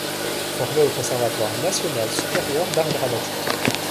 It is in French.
Formé au Conservatoire national supérieur d'art dramatique.